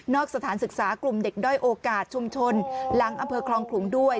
สถานศึกษากลุ่มเด็กด้อยโอกาสชุมชนหลังอำเภอคลองขลุงด้วย